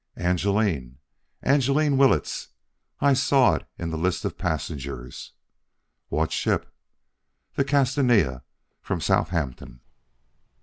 "Angeline Angeline Willetts. I saw it in the list of passengers." "What ship?" "The Castania, from Southampton."